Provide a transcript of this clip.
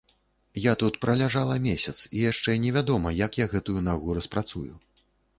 Я тут праляжала месяц, і яшчэ невядома, як я гэтую нагу распрацую.